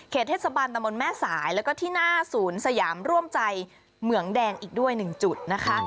เทศบาลตะมนต์แม่สายแล้วก็ที่หน้าศูนย์สยามร่วมใจเหมืองแดงอีกด้วยหนึ่งจุดนะคะ